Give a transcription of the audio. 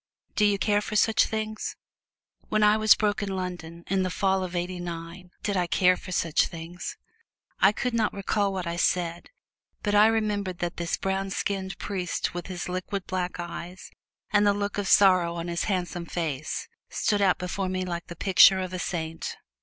Do you care for such things?" When I was broke in London, in the Fall of Eighty nine! Do I care for such things? I can not recall what I said, but I remembered that this brown skinned priest with his liquid, black eyes, and the look of sorrow on his handsome face, stood out before me like the picture of a saint.